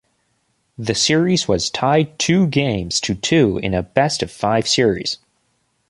The series was tied two games to two in a best-of-five series.